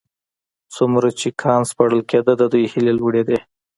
څومره چې کان سپړل کېده د دوی هيلې لوړېدې.